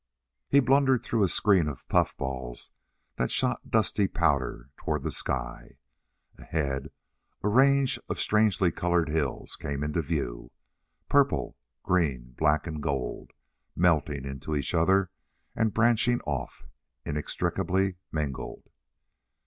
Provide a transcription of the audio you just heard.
He blundered through a screen of puffballs that shot dusty powder toward the sky. Ahead, a range of strangely colored hills came into view purple, green, black and gold melting into each other and branching off, inextricably mingled.